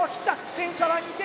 点差は２点。